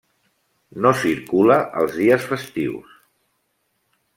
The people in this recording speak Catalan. No circula els dies festius.